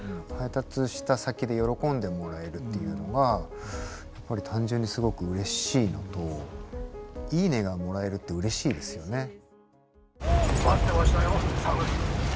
配達した先で喜んでもらえるっていうのがやっぱり単純にすごくうれしいのと「いいね」がもらえるってうれしいですよね。